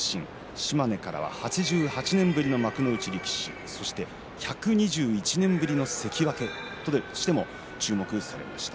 島根からは８８年ぶりの幕内力士そして１２１年ぶりの関脇としても注目されました。